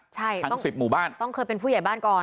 ใช่ค่ะทั้งสิบหมู่บ้านต้องเคยเป็นผู้ใหญ่บ้านก่อน